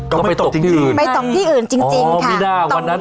ก็ไม่ตกที่อื่นไม่ตกที่อื่นจริงค่ะต้องช่วงต้องช่วงอ๋อมีน่าวันนั้น